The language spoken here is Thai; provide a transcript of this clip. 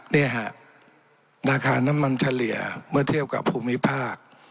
เนี่ยฮะราคาน้ำมันเฉลี่ยเมื่อเทียบกับภูมิภาค